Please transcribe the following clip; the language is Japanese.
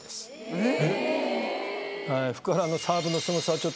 えっ？